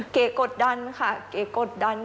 เก๋กดดันค่ะเก๋กดดัน